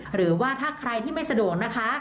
หรือว่าถ้าใครที่ไม่สะดวกนะคะ